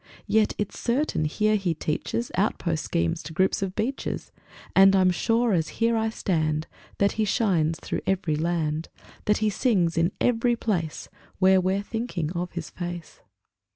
Yet, it's certain, here he teaches Outpost schemes to groups of beeches. And I'm sure, as here I stand, That he shines through every land, That he sings in every place Where we're thinking of his face.